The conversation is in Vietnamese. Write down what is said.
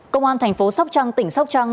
công an thành phố sóc trăng tỉnh sóc trăng